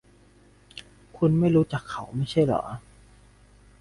คุณไม่รู้จักเขาไม่ใช่หรอ ?